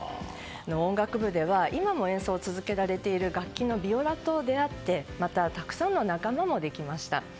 音楽部では今も演奏を続けられている楽器のヴィオラと出会ってたくさんの仲間もできました。